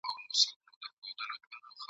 سپینو وېښتو ته جهاني هینداره نه ځلوم !.